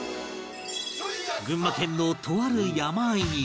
群馬県のとある山あいに